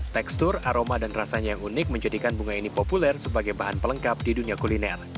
tekstur aroma dan rasanya yang unik menjadikan bunga ini populer sebagai bahan pelengkap di dunia kuliner